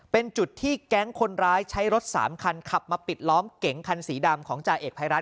เป็นจุดที่แก๊งคนร้ายใช้รถ๓คันขับมาปิดล้อมเก๋งคันสีดำของจ่าเอกภัยรัฐ